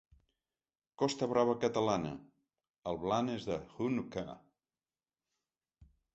Costa Brava catalana—, el Blanes de Hoonoka'a.